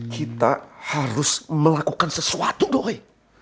kita harus melakukan sesuatu boleh